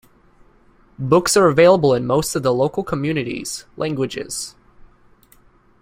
Books are available in most of the local communities' languages.